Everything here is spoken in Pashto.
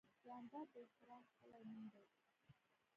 جانداد د احترام ښکلی نوم دی.